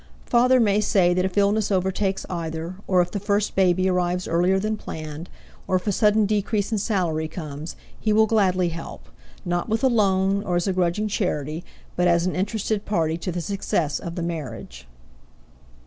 Father may say that if illness overtakes either, or if the first baby arrives earlier than planned, or if a sudden decrease in salary comes, he will gladly help not with a loan or as a grudging charity but as an interested party to the success of the marriage.